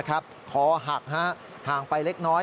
คอหักห่างไปเล็กน้อย